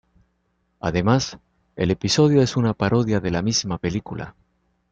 Además, el episodio es una parodia de la misma película.